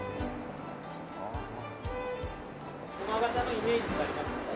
駒形のイメージってあります？